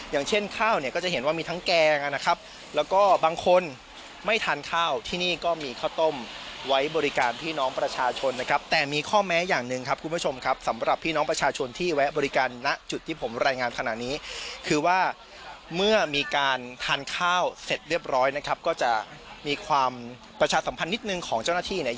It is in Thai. อย่างเช่นข้าวเนี่ยก็จะเห็นว่ามีทั้งแกงนะครับแล้วก็บางคนไม่ทานข้าวที่นี่ก็มีข้าวต้มไว้บริการพี่น้องประชาชนนะครับแต่มีข้อแม้อย่างหนึ่งครับคุณผู้ชมครับสำหรับพี่น้องประชาชนที่แวะบริการณจุดที่ผมรายงานขณะนี้คือว่าเมื่อมีการทานข้าวเสร็จเรียบร้อยนะครับก็จะมีความประชาสัมพันธ์นิดนึงของเจ้าหน้าที่เนี่ย